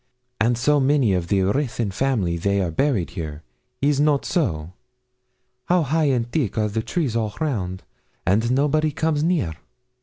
and so many of the Ruthyn family they are buried here is not so? How high and thick are the trees all round! and nobody comes near.'